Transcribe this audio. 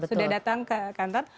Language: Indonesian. sudah datang ke kantor